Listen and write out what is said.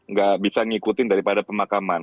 nggak bisa ngikutin daripada pemakaman